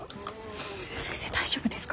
先生大丈夫ですか？